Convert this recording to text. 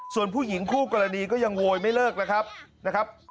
ส่วนผู้หญิงคู่กรณีก็ยังโวยไม่เลิกนะครับนะครับ